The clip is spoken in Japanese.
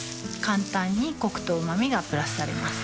簡単にコクとうま味がプラスされます